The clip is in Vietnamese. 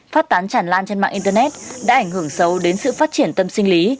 phát tán tràn lan trên mạng internet đã ảnh hưởng xấu đến sự phát triển tâm sinh lý